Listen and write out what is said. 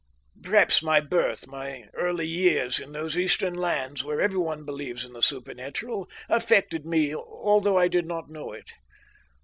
Perhaps my birth, my early years, in those Eastern lands where everyone believes in the supernatural, affected me although I did not know it.